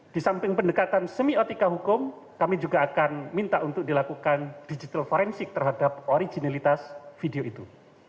di samping pendekatan semi otika hukum kami juga akan minta untuk dilakukan digital forensik terhadap originalitas video itu